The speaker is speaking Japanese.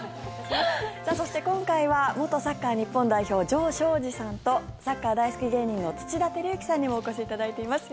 そして今回は元日本サッカー代表城彰二さんとサッカー大好き芸人の土田晃之さんにもお越しいただいています。